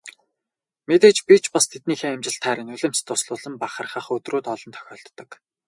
Мэдээж би ч бас тэднийхээ амжилтаар нулимс дуслуулан бахархах өдрүүд олон тохиолддог.